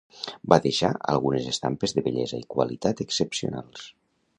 Va deixar algunes estampes de bellesa i qualitat excepcionals.